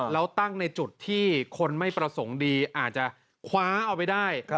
แล้วตั้งในจุดที่คนไม่ประสงค์ดีอาจจะคว้าเอาไปได้